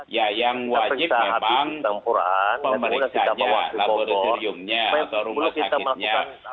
ya yang wajib memang pemeriksaannya laboratoriumnya atau rumah sakitnya